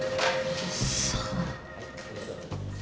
さあ？